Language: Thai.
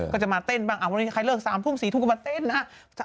ก็จะมาเต้นบ้างวันนี้ใครเลิก๓ถึง๔ถึงมาเต้นนะ